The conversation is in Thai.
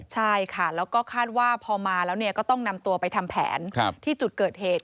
ใช่ค่ะแล้วก็คาดว่าพอมาแล้วก็ต้องนำตัวไปทำแผนที่จุดเกิดเหตุ